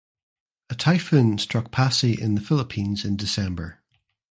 A typhoon struck Passi in the Philippines in December.